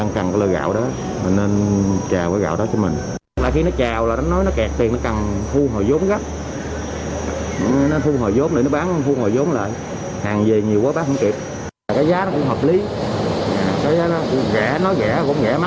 cái giá nó cũng hợp lý cái giá nó cũng rẻ nó rẻ cũng rẻ mắc cũng không mắc